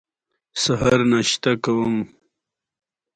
سلیمان غر د افغانستان د چاپیریال ساتنې لپاره مهم دي.